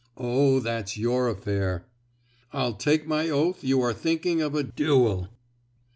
"Oh, that's your affair!" "I'll take my oath you are thinking of a duel!"